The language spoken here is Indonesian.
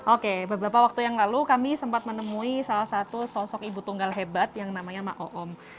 oke beberapa waktu yang lalu kami sempat menemui salah satu sosok ibu tunggal hebat yang namanya ⁇ maoom ⁇